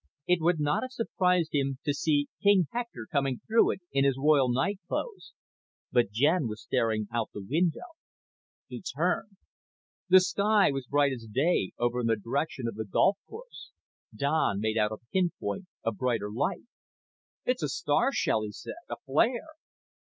It would not have surprised him to see King Hector coming through it in his royal night clothes. But Jen was staring out the window. He turned. The sky was bright as day over in the direction of the golf course. Don made out a pinpoint of brighter light. "It's a star shell," he said. "A flare."